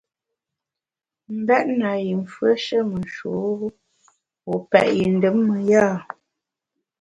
M’bèt na yi mfùeshe me nshur-u, wu pèt yi ndùm me ya ?